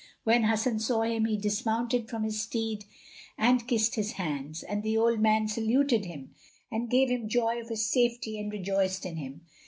When Hasan saw him, he dismounted from his steed and kissed his hands, and the old man saluted him and gave him joy of his safety and rejoiced in him.